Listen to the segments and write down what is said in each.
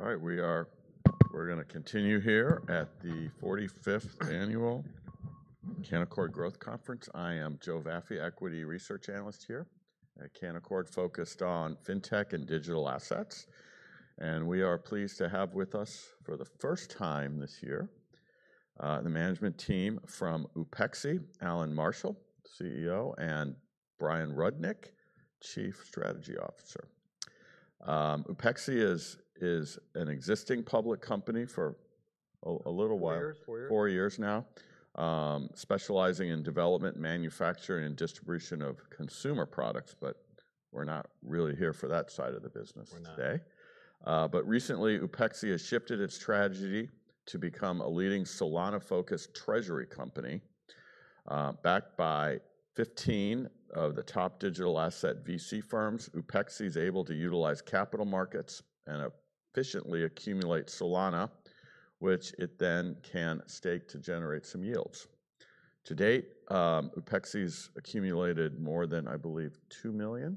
All right, we are going to continue here at the 45th Annual Canaccord Growth Conference. I am Joseph Vafi, Equity Research Analyst here at Canaccord, focused on FinTech and digital assets. We are pleased to have with us for the first time this year, the management team from Upexi, Allan Marshall, CEO, and Brian Rudick, Chief Strategy Officer. Upexi is an existing public company for a little while, four years now, specializing in development, manufacturing, and distribution of consumer products. We're not really here for that side of the business today. Recently, Upexi Inc has shifted its strategy to become a leading Solana-focused digital asset treasury company, backed by 15 of the top digital asset VC firms. Upexi is able to utilize capital markets and efficiently accumulate Solana, which it then can stake to generate some yields. To date, Upexi has accumulated more than, I believe, 2 million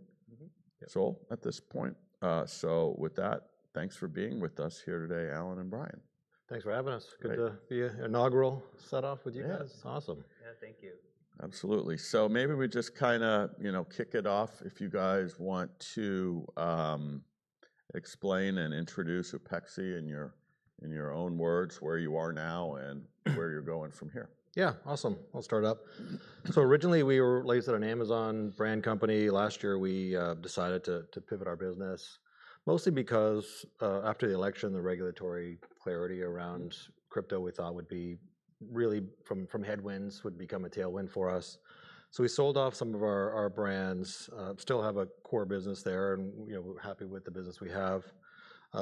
SOL at this point. With that, thanks for being with us here today, Allan and Brian. Thanks for having us. Good to be in an inaugural setup with you guys. Awesome. Thank you. Absolutely. Maybe we just kind of kick it off if you guys want to explain and introduce Upexi in your own words, where you are now and where you're going from here. Yeah, awesome. I'll start up. Originally, we were licensed as an Amazon brand company. Last year, we decided to pivot our business mostly because, after the election, the regulatory clarity around crypto we thought would really, from headwinds, become a tailwind for us. We sold off some of our brands, still have a core business there, and we're happy with the business we have.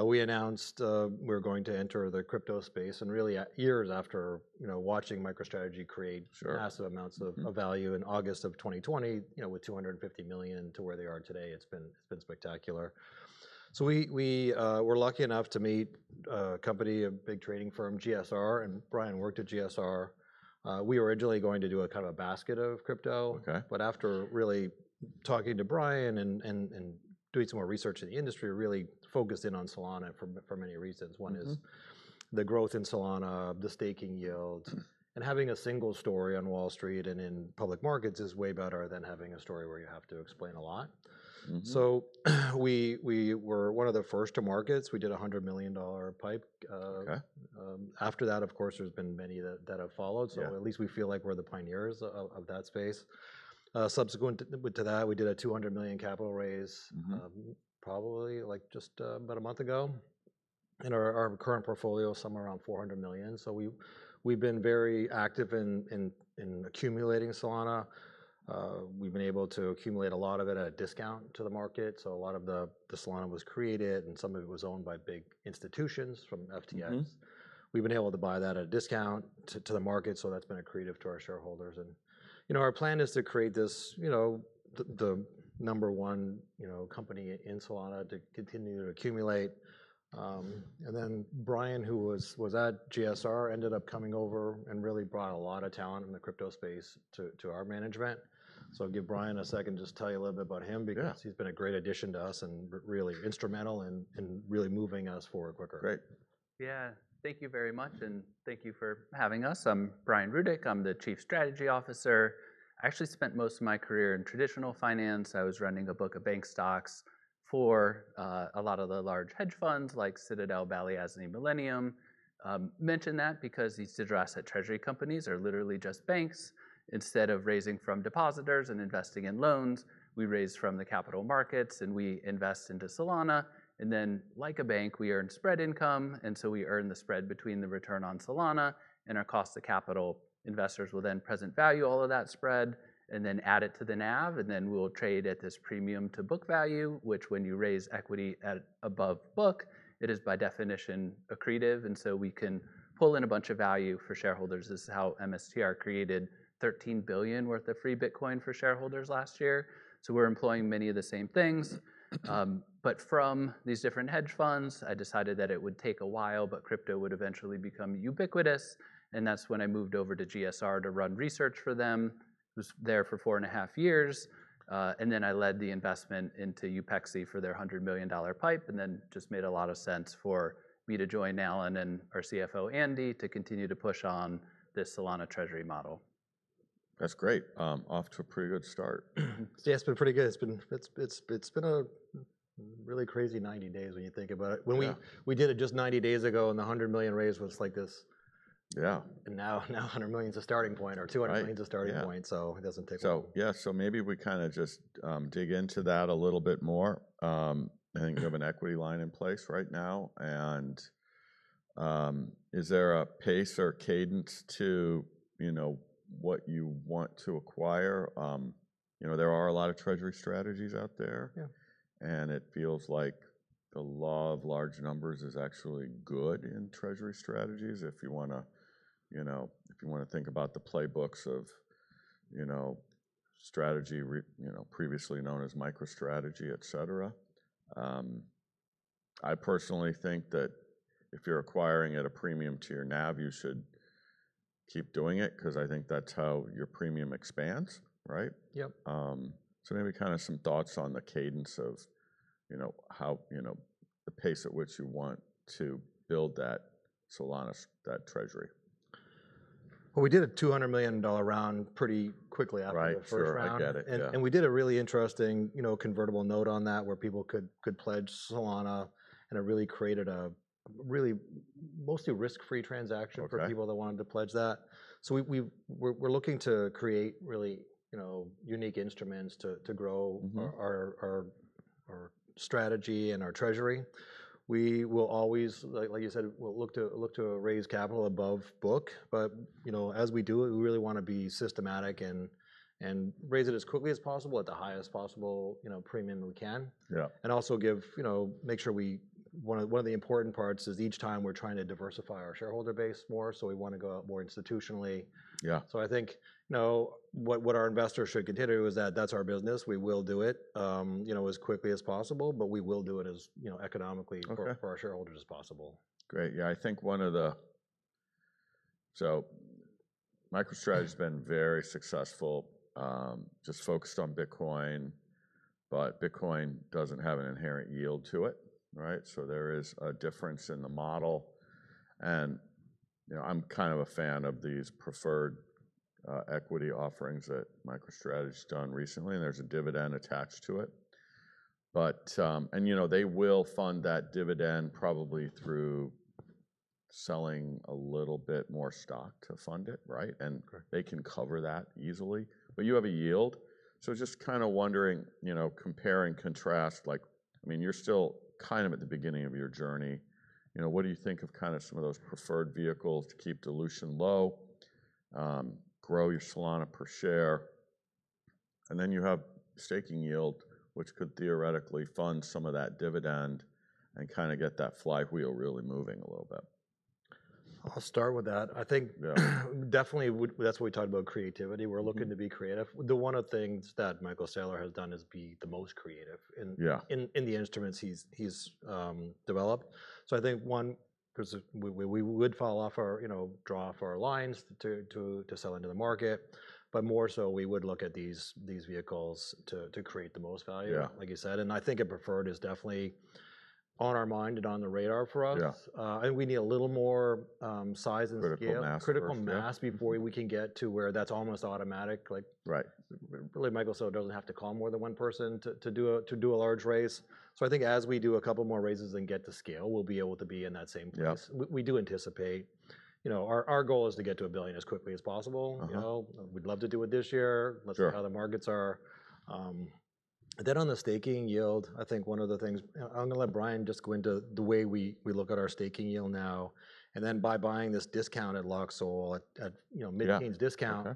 We announced we're going to enter the crypto space, and really, years after watching MicroStrategy create massive amounts of value in August 2020, with $250 million to where they are today, it's been spectacular. We were lucky enough to meet a company, a big trading firm, GSR, and Brian worked at GSR. We were originally going to do a kind of a basket of crypto, but after really talking to Brian and doing some more research in the industry, really focused in on Solana for many reasons. One is the growth in Solana, the staking yield, and having a single story on Wall Street and in public markets is way better than having a story where you have to explain a lot. We were one of the first to market. We did a $100 million PIPE. After that, of course, there's been many that have followed. At least we feel like we're the pioneers of that space. Subsequent to that, we did a $200 million capital raise, probably just about a month ago. Our current portfolio is somewhere around $400 million. We've been very active in accumulating Solana. We've been able to accumulate a lot of it at a discount to the market. A lot of the Solana was created and some of it was owned by big institutions from FTX. We've been able to buy that at a discount to the market. That's been accretive to our shareholders. Our plan is to create the number one company in Solana to continue to accumulate. Brian, who was at GSR, ended up coming over and really brought a lot of talent in the crypto space to our management. I'll give Brian a second to just tell you a little bit about him because he's been a great addition to us and really instrumental in moving us forward quicker. Yeah, thank you very much. Thank you for having us. I'm Brian Rudick. I'm the Chief Strategy Officer. I actually spent most of my career in traditional finance. I was running a book of bank stocks for a lot of the large hedge funds like Citadel, Balyasny, Millennium. I mention that because these digital asset treasury companies are literally just banks. Instead of raising from depositors and investing in loans, we raise from the capital markets and we invest into Solana. Like a bank, we earn spread income. We earn the spread between the return on Solana and our cost of capital. Investors will then present value all of that spread and then add it to the NAV. We'll trade at this premium to book value, which when you raise equity above book, it is by definition accretive. We can pull in a bunch of value for shareholders. This is how MSTR created $13 billion worth of free Bitcoin for shareholders last year. We're employing many of the same things. From these different hedge funds, I decided that it would take a while, but crypto would eventually become ubiquitous. That's when I moved over to GSR to run research for them. I was there for four and a half years. I led the investment into Upexi for their $100 million PIPE. It just made a lot of sense for me to join Allan and our CFO, Andy, to continue to push on this Solana treasury model. That's great. Off to a pretty good start. Yeah, it's been pretty good. It's been a really crazy 90 days when you think about it. When we did it just 90 days ago and the $100 million raise was like this. Yeah. Now $100 million is a starting point or $200 million is a starting point. It doesn't take long. Maybe we kind of just dig into that a little bit more. I think you have an equity line in place right now. Is there a pace or cadence to what you want to acquire? There are a lot of treasury strategies out there. It feels like the law of large numbers is actually good in treasury strategies. If you want to think about the playbooks of strategy, previously known as MicroStrategy, et cetera. I personally think that if you're acquiring at a premium to your NAV, you should keep doing it because I think that's how your premium expands, right? Yep. Maybe kind of some thoughts on the cadence of how the pace at which you want to build that Solana, that treasury. We did a $200 million round pretty quickly after the first round. We did a really interesting, you know, convertible note on that where people could pledge Solana, and it really created a mostly risk-free transaction for people that wanted to pledge that. We are looking to create really unique instruments to grow our strategy and our treasury. We will always, like you said, look to raise capital above book, but as we do it, we really want to be systematic and raise it as quickly as possible at the highest possible premium we can. Also, one of the important parts is each time we're trying to diversify our shareholder base more. We want to go out more institutionally. I think what our investors should consider is that that's our business. We will do it as quickly as possible, but we will do it as economically for our shareholders as possible. Great. I think one of the, so MicroStrategy has been very successful, just focused on Bitcoin, but Bitcoin doesn't have an inherent yield to it, right? There is a difference in the model. I'm kind of a fan of these preferred equity offerings that MicroStrategy has done recently, and there's a dividend attached to it. They will fund that dividend probably through selling a little bit more stock to fund it, right? They can cover that easily, but you have a yield. Just kind of wondering, compare and contrast, like, I mean, you're still kind of at the beginning of your journey. What do you think of kind of some of those preferred vehicles to keep dilution low, grow your Solana per share? You have staking yield, which could theoretically fund some of that dividend and kind of get that flywheel really moving a little bit. I'll start with that. I think definitely that's what we talked about, creativity. We're looking to be creative. One of the things that Michael Saylor has done is be the most creative in the instruments he's developed. I think, one, because we would fall off our, you know, draw off our lines to sell into the market, but more so we would look at these vehicles to create the most value, like you said. I think a preferred is definitely on our mind and on the radar for us. We need a little more size and critical mass before we can get to where that's almost automatic. Really, Michael Saylor doesn't have to call more than one person to do a large raise. I think as we do a couple more raises and get to scale, we'll be able to be in that same place. We do anticipate, you know, our goal is to get to $1 billion as quickly as possible. We'd love to do it this year. Let's see how the markets are. On the staking yield, I think one of the things, I'm going to let Brian just go into the way we look at our staking yield now. By buying this discounted locked SOL at, you know, mid-change discount,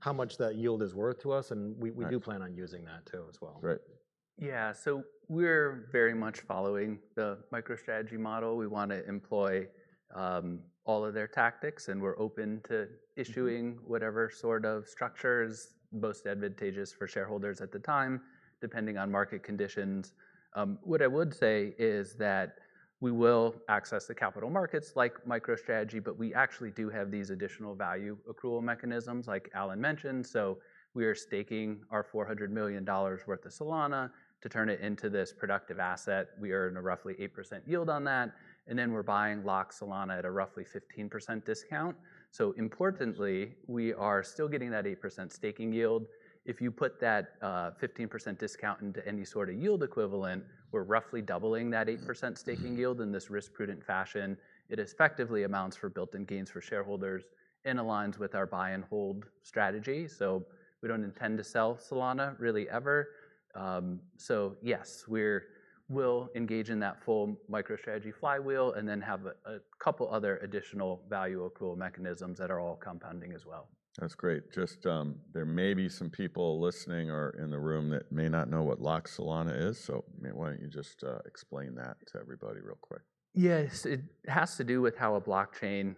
how much that yield is worth to us. We do plan on using that too as well. Yeah, so we're very much following the MicroStrategy model. We want to employ all of their tactics, and we're open to issuing whatever sort of structure is most advantageous for shareholders at the time, depending on market conditions. What I would say is that we will access the capital markets like MicroStrategy, but we actually do have these additional value accrual mechanisms like Allan mentioned. We are staking our $400 million worth of Solana to turn it into this productive asset. We are in a roughly 8% yield on that, and then we're buying locked Solana at a roughly 15% discount. Importantly, we are still getting that 8% staking yield. If you put that 15% discount into any sort of yield equivalent, we're roughly doubling that 8% staking yield in this risk-prudent fashion. It effectively amounts for built-in gains for shareholders and aligns with our buy and hold strategy. We don't intend to sell Solana really ever, so yes, we will engage in that full MicroStrategy flywheel and then have a couple other additional value accrual mechanisms that are all compounding as well. That's great. There may be some people listening or in the room that may not know what locked Solana is. Why don't you just explain that to everybody real quick? Yes, it has to do with how a blockchain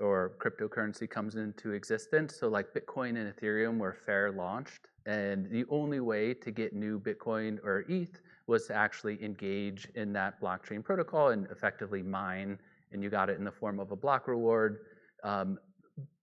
or cryptocurrency comes into existence. Like Bitcoin and Ethereum were fair launched, and the only way to get new Bitcoin or ETH was to actually engage in that blockchain protocol and effectively mine, and you got it in the form of a block reward.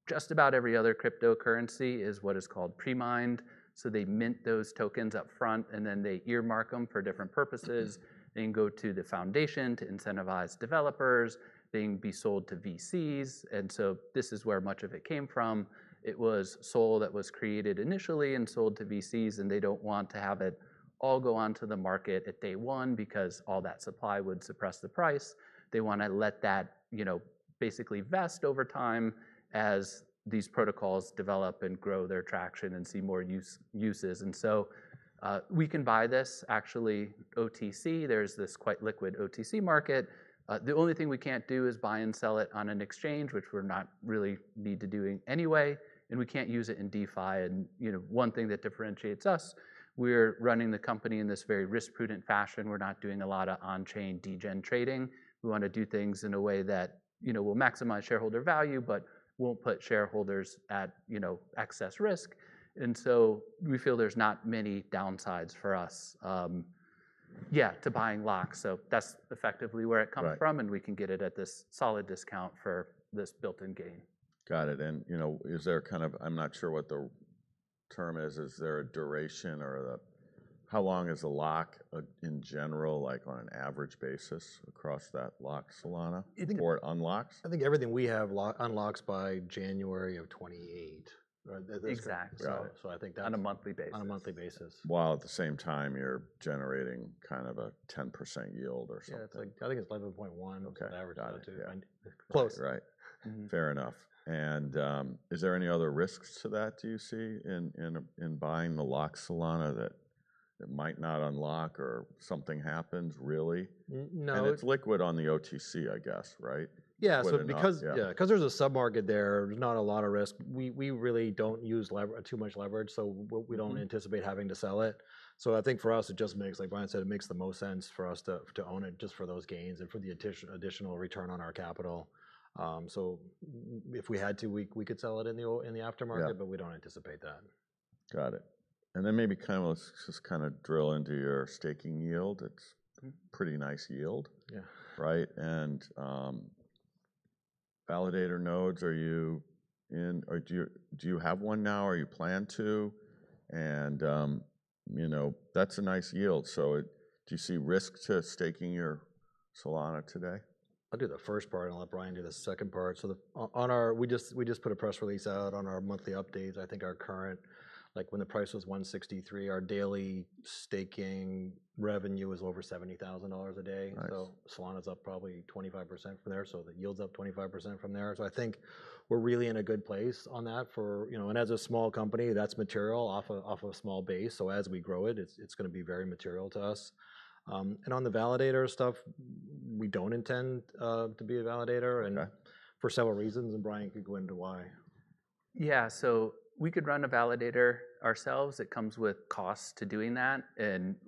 Just about every other cryptocurrency is what is called pre-mined, so they mint those tokens up front and then they earmark them for different purposes. They can go to the foundation to incentivize developers, they can be sold to VCs, and this is where much of it came from. It was SOL that was created initially and sold to VCs, and they don't want to have it all go onto the market at day one because all that supply would suppress the price. They want to let that basically vest over time as these protocols develop and grow their traction and see more uses. We can buy this actually OTC. There's this quite liquid OTC market. The only thing we can't do is buy and sell it on an exchange, which we don't really need to do anyway, and we can't use it in DeFi. One thing that differentiates us, we're running the company in this very risk-prudent fashion. We're not doing a lot of on-chain degen trading. We want to do things in a way that will maximize shareholder value but won't put shareholders at excess risk. We feel there's not many downsides for us to buying locks, so that's effectively where it comes from, and we can get it at this solid discount for this built-in gain. Got it. Is there kind of, I'm not sure what the term is, is there a duration or how long is the lock in general, like on an average basis across that locked Solana or unlocks? I think everything we have unlocks by January of 2028. Exactly. I think that on a monthly basis. While at the same time you're generating kind of a 10% yield or something. I think it's 11.1% on average attitude. Fair enough. Is there any other risks to that? Do you see in buying the locked Solana that might not unlock or something happens really? No. It's liquid on the OTC, I guess, right? Yeah, because there's a submarket there, there's not a lot of risk. We really don't use too much leverage. We don't anticipate having to sell it. I think for us, it just makes, like Brian said, it makes the most sense for us to own it just for those gains and for the additional return on our capital. If we had to, we could sell it in the aftermarket, but we don't anticipate that. Got it. Maybe let's just drill into your staking yield. It's a pretty nice yield, right? Validator nodes, are you in, or do you have one now, or do you plan to? That's a nice yield. Do you see risk to staking your Solana today? I'll do the first part and I'll let Brian do the second part. On our, we just put a press release out on our monthly updates. I think our current, like when the price was $163, our daily staking revenue was over $70,000 a day. Solana's up probably 25% from there, so the yield's up 25% from there. I think we're really in a good place on that, and as a small company, that's material off of a small base. As we grow it, it's going to be very material to us. On the validator stuff, we don't intend to be a validator for several reasons, and Brian could go into why. Yeah, we could run a validator ourselves. It comes with costs to doing that.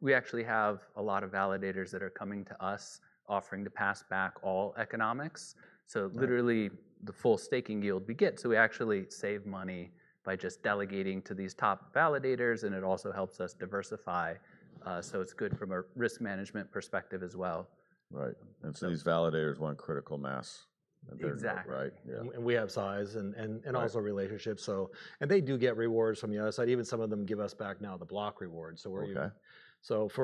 We actually have a lot of validators that are coming to us offering to pass back all economics, so literally the full staking yield we get. We actually save money by just delegating to these top validators, and it also helps us diversify. It's good from a risk management perspective as well. Right. These validators want critical mass. Exactly. Right. We have size and also relationships. They do get rewards from the other side. Even some of them give us back now the block rewards. For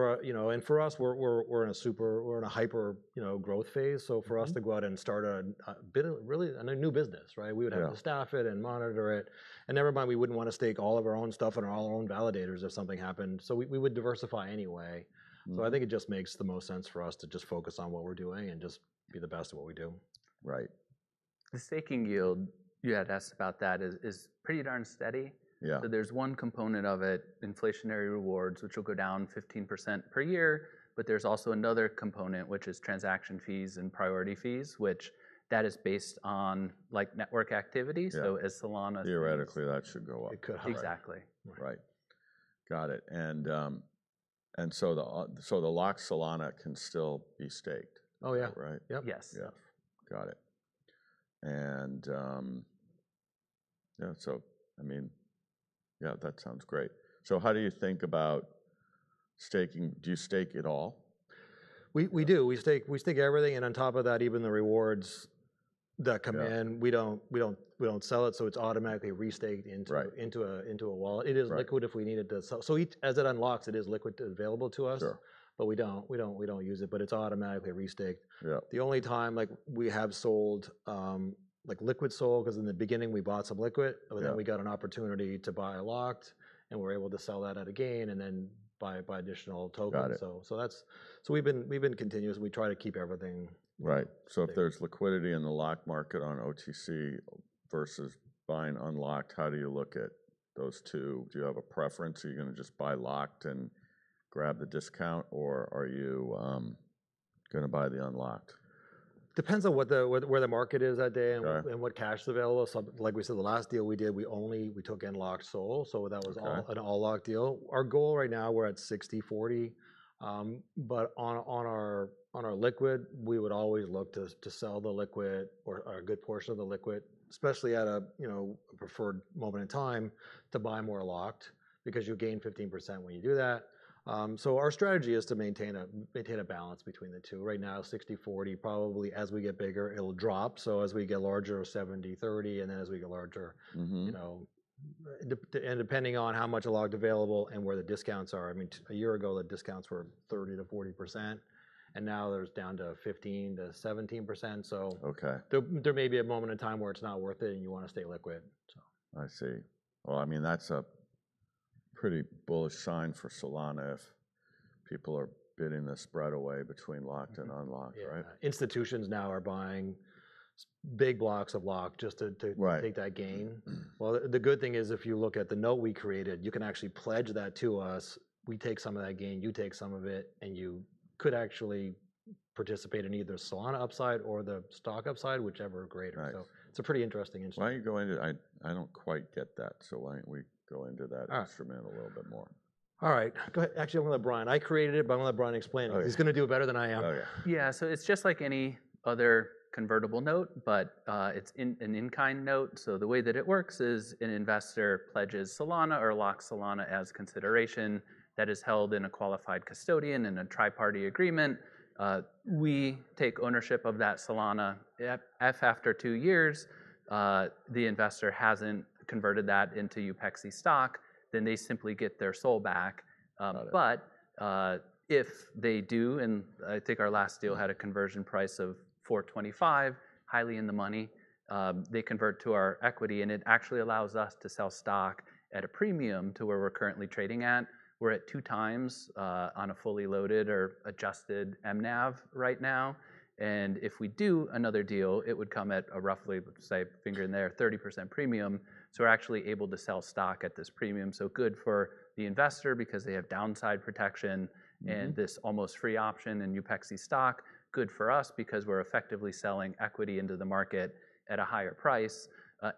us, we're in a hyper growth phase. For us to go out and start a really new business, we would have to staff it and monitor it. Never mind, we wouldn't want to stake all of our own stuff and our own validators if something happened. We would diversify anyway. I think it just makes the most sense for us to just focus on what we're doing and just be the best at what we do. Right. The staking yield, you had asked about that, is pretty darn steady. There's one component of it, inflationary rewards, which will go down 15% per year. There's also another component, which is transaction fees and priority fees, which is based on network activity. As Solana. Theoretically, that should go up. Exactly. Right. Got it. The locked Solana can still be staked. Oh yeah. Right. Yes. Got it. That sounds great. How do you think about staking? Do you stake at all? We do. We stake everything. On top of that, even the rewards that come in, we don't sell it. It's automatically restaked into a wallet. It is liquid if we need it to sell. As it unlocks, it is liquid, available to us. We don't use it, but it's automatically restaked. The only time we have sold liquid SOL was in the beginning when we bought some liquid, but then we got an opportunity to buy locked and were able to sell that at a gain and then buy additional tokens. We've been continuous. We try to keep everything. Right. If there's liquidity in the locked market on OTC versus buying unlocked, how do you look at those two? Do you have a preference? Are you going to just buy locked and grab the discount, or are you going to buy the unlocked? Depends on where the market is that day and what cash is available. Like we said, the last deal we did, we only took in locked SOL. That was an all locked deal. Our goal right now, we're at 60/40. On our liquid, we would always look to sell the liquid or a good portion of the liquid, especially at a preferred moment in time to buy more locked because you gain 15% when you do that. Our strategy is to maintain a balance between the two right now, 60/40. Probably as we get bigger, it'll drop. As we get larger, 70/30, and then as we get larger, depending on how much locked is available and where the discounts are. A year ago, the discounts were 30%-40%, and now they're down to 15%-17%. There may be a moment in time where it's not worth it and you want to stay liquid. I see. That's a pretty bullish sign for Solana if people are bidding this right away between locked and unlocked, right? Yeah, institutions now are buying big blocks of locked just to take that gain. The good thing is if you look at the note we created, you can actually pledge that to us. We take some of that gain, you take some of it, and you could actually participate in either Solana upside or the stock upside, whichever is greater. It's a pretty interesting instrument. Why don't you go into it? I don't quite get that. Why don't we go into that instrument a little bit more? All right. Go ahead. Actually, I'm going to let Brian. I created it, but I'm going to let Brian explain it. He's going to do it better than I am. Yeah. It's just like any other convertible note, but it's an in-kind note. The way that it works is an investor pledges Solana or locks Solana as consideration that is held in a qualified custodian in a tri-party agreement. We take ownership of that Solana if after two years, the investor hasn't converted that into Upexi stock, then they simply get their SOL back. If they do, and I think our last deal had a conversion price of $4.25, highly in the money, they convert to our equity and it actually allows us to sell stock at a premium to where we're currently trading at. We're at 2x, on a fully loaded or adjusted MNAV right now. If we do another deal, it would come at a roughly, say, finger in there, 30% premium. We're actually able to sell stock at this premium. Good for the investor because they have downside protection and this almost free option in Upexi stock. Good for us because we're effectively selling equity into the market at a higher price.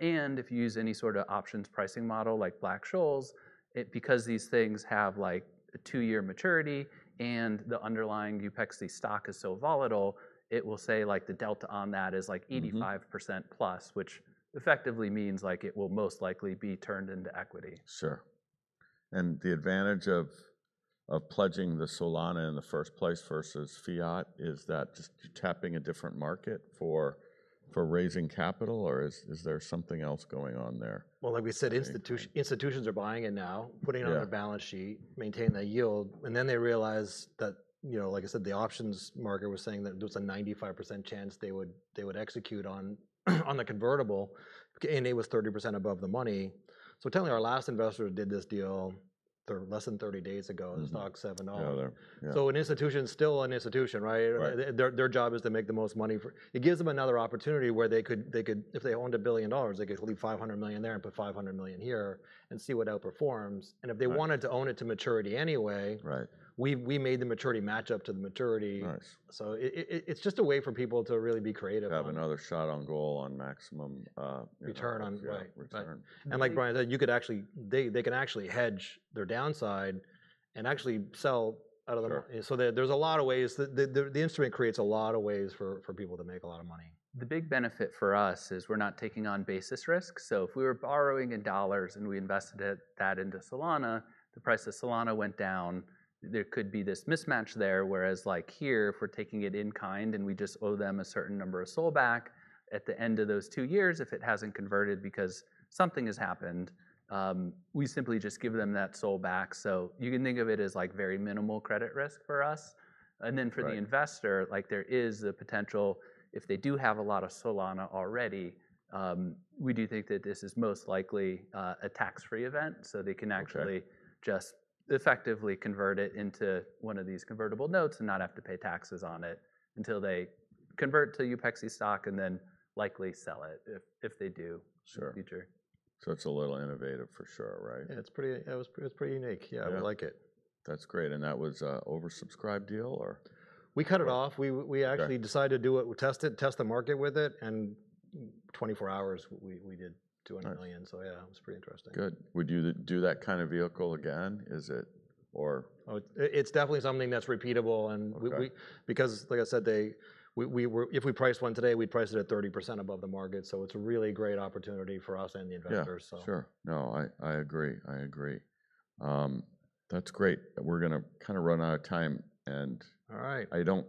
If you use any sort of options pricing model like Black-Scholes, because these things have like a two-year maturity and the underlying Upexi stock is so volatile, it will say like the delta on that is like 85%+, which effectively means it will most likely be turned into equity. Sure. The advantage of pledging the Solana in the first place versus fiat is that just tapping a different market for raising capital or is there something else going on there? Like we said, institutions are buying it now, putting it on the balance sheet, maintaining the yield, and then they realize that, you know, like I said, the options market was saying that there was a 95% chance they would execute on the convertible and it was 30% above the money. Tell me our last investor did this deal less than 30 days ago, the stock $7.0. An institution is still an institution, right? Their job is to make the most money. It gives them another opportunity where they could, if they owned $1 billion, they could leave $500 million there and put $500 million here and see what outperforms. If they wanted to own it to maturity anyway, we made the maturity match up to the maturity. It's just a way for people to really be creative. Have another shot on goal at maximum. Return on, right. Like Brian said, you could actually, they can actually hedge their downside and actually sell out of them. There are a lot of ways, the instrument creates a lot of ways for people to make a lot of money. The big benefit for us is we're not taking on basis risk. If we were borrowing in dollars and we invested that into Solana, the price of Solana went down, there could be this mismatch there. Here, if we're taking it in kind and we just owe them a certain number of SOL back at the end of those two years, if it hasn't converted because something has happened, we simply just give them that SOL back. You can think of it as very minimal credit risk for us. For the investor, there is the potential, if they do have a lot of Solana already, we do think that this is most likely a tax-free event. They can actually just effectively convert it into one of these convertible notes and not have to pay taxes on it until they convert to Upexi stock and then likely sell it if they do in the future. It's a little innovative for sure, right? Yeah, it's pretty unique. I like it. That's great. That was an oversubscribed deal, or? We cut it off. We actually decided to do it, test it, test the market with it. In 24 hours, we did $200 million. It was pretty interesting. Good. Would you do that kind of vehicle again? Is it or? Oh, it's definitely something that's repeatable. We, because like I said, if we priced one today, we'd price it at 30% above the market. It's a really great opportunity for us and the investors. Sure. I agree. I agree. That's great. We're going to kind of run out of time. All right, I don't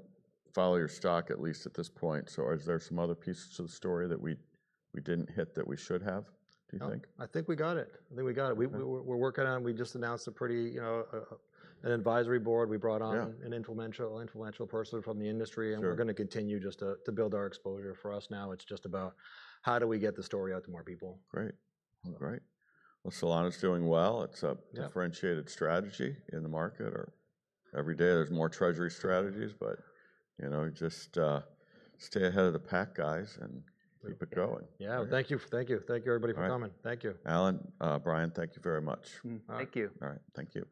follow your stock at least at this point. Is there some other pieces of the story that we didn't hit that we should have, do you think? I think we got it. We're working on, we just announced a pretty, you know, an advisory board. We brought on an influential person from the industry, and we're going to continue just to build our exposure. For us, now it's just about how do we get the story out to more people. Great. All right. Solana's doing well. It's a differentiated strategy in the market. Every day there's more treasury strategies, but just stay ahead of the pack, guys, and keep it going. Thank you, everybody, for coming. Thank you. Allan, Brian, thank you very much. Thank you. All right. Thank you.